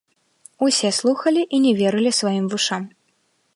Усе слухалі і не верылі сваім вушам.